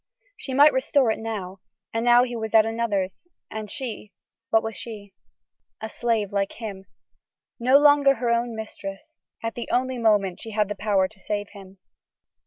She might restore it now; and now he was another's, and she, what was she? A slave like him. No longer her own mistress, at the only moment she had the power to save him.